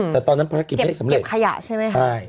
แต่ตอนนั้นภารกิจไม่สำเร็จเก็บขยะใช่ไหมคะใช่